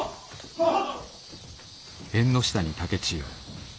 はっ！